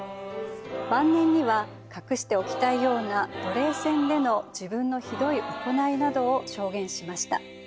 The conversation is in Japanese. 晩年には隠しておきたいような奴隷船での自分のひどい行いなどを証言しました。